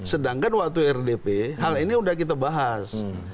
sedangkan waktu rdp hal ini sudah kita bahas